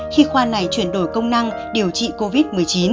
khi khoa này chuyển đổi công năng điều trị covid một mươi chín